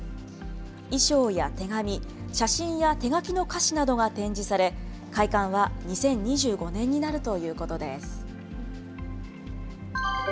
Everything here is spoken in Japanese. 衣装や手紙、写真や手書きの歌詞などが展示され、開館は２０２５年になるということです。